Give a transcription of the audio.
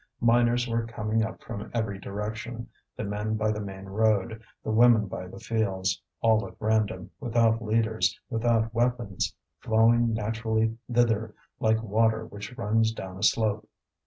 Miners were coming up from every direction the men by the main road, the women by the fields, all at random, without leaders, without weapons, flowing naturally thither like water which runs down a slope.